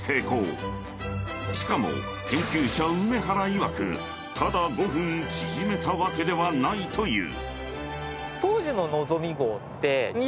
［しかも研究者梅原いわくただ５分縮めたわけではないという］